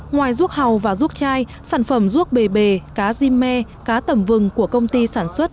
ngoài ruốc hàu và ruốc chai sản phẩm ruốc bề bề cá di mê cá tẩm vừng của công ty sản xuất